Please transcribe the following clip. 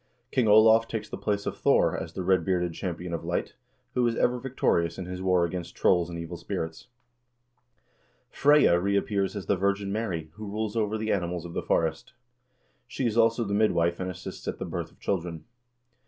King Olav takes the place of Thor as the red bearded champion of light, who is ever victorious in his war against trolls and evil spirits. Freyja reappears as the Virgin Mary, who rules over the animals of the forest. She is also the midwife, and assists at the birth of children.